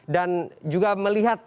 dan juga melihat